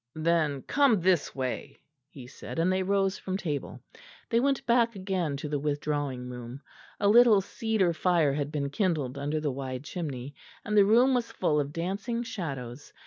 "Then come this way," he said, and they rose from table. They went back again to the withdrawing room; a little cedar fire had been kindled under the wide chimney; and the room was full of dancing shadows.